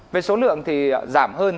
về số lượng thì giảm hơn